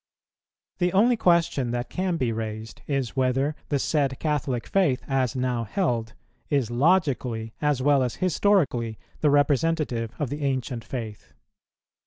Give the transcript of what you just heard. The only question that can be raised is whether the said Catholic faith, as now held, is logically, as well as historically, the representative of the ancient faith.